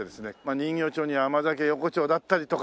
人形町には甘酒横丁だったりとか。